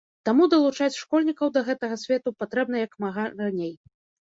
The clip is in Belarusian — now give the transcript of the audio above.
Таму далучаць школьнікаў да гэтага свету патрэбна як мага раней.